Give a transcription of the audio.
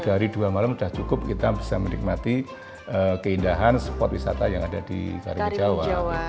dari dua malam sudah cukup kita bisa menikmati keindahan spot wisata yang ada di karimun jawa